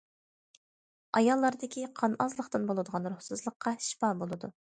ئاياللاردىكى قان ئازلىقتىن بولىدىغان روھسىزلىققا شىپا بولىدۇ.